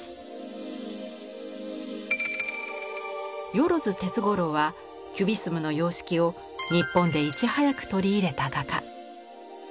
萬鉄五郎はキュビスムの様式を日本でいち早く取り入れた画家。